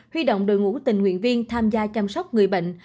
huy động đội ngũ tình nguyện viên tham gia chăm sóc người bệnh